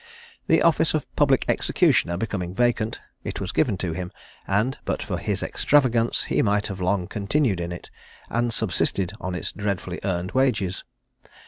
The office of public executioner becoming vacant, it was given to him, and but for his extravagance, he might have long continued in it, and subsisted on its dreadfully earned wages.